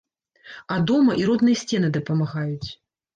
А дома і родныя сцены дапамагаюць!